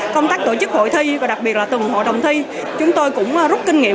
công tác tổ chức hội thi và đặc biệt là từng hội đồng thi chúng tôi cũng rút kinh nghiệm